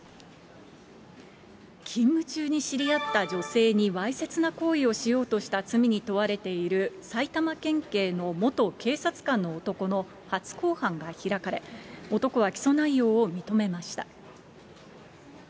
勤務中に知り合った女性にわいせつな行為をしようとした罪に問われている埼玉県警の元警察官の男の初公判が開かれ、男は起訴内容を認めました。